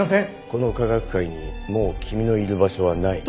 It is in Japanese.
この科学界にもう君のいる場所はない。